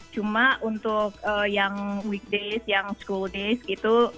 cuma untuk yang weekdays yang school days gitu